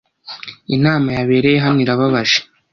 Inama yabereye hano irababaje